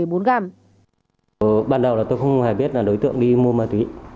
ở ban đầu là tôi không hề biết là đối tượng đi mua ma túy